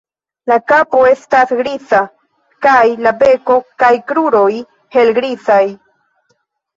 La kapo estas griza kaj la beko kaj kruroj helgrizaj.